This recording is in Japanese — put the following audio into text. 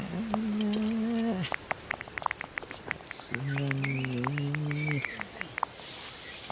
さすがにね。